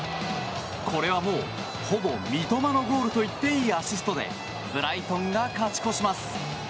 これはもうほぼ三笘のゴールと言っていいアシストでブライトンが勝ち越します。